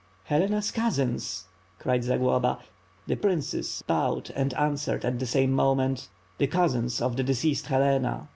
"Helena's cousins," cried Zagloba. The princes bowed, and answered at the same moment, "The cousins of the deceased Helena."